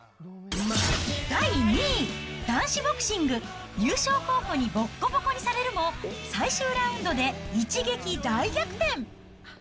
第２位、男子ボクシング、優勝候補にぼっこぼこにされるも最終ラウンドで一撃大逆転。